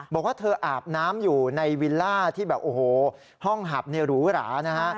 บอกว่าเธออาบน้ำอยู่ในวิลล่าที่แบบโอ้โหห้องหับหรูหรานะฮะ